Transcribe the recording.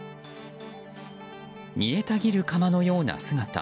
煮えたぎるかまのような姿。